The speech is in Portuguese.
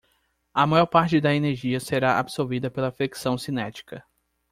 A maior parte da energia será absorvida pela fricção cinética.